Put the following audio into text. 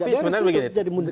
tapi sebenarnya begini